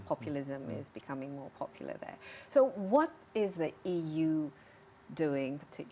untuk memberikan pekerjaan yang lebih baik